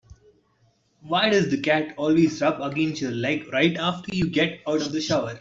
Why does the cat always rub against your leg right after you get out of the shower?